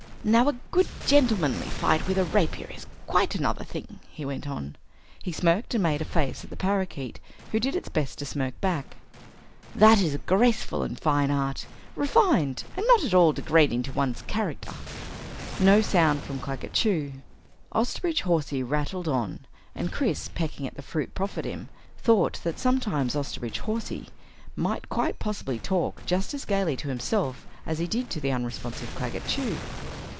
"Now, a good gentlemanly fight with a rapier is quite another thing," he went on. He smirked and made a face at the parakeet who did its best to smirk back. "That is a graceful and fine art. Refined, and not at all degrading to one's character." No sound from Claggett Chew. Osterbridge Hawsey rattled on and Chris, pecking at the fruit proffered him, thought that sometimes Osterbridge Hawsey might quite possibly talk just as gaily to himself as he did to the unresponsive Claggett Chew.